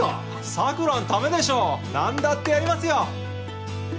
桜のためでしょ何だってやりますよ！